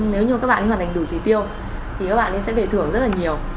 nếu như các bạn hoàn thành đủ chỉ tiêu thì các bạn sẽ về thưởng rất là nhiều